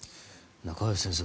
中林先生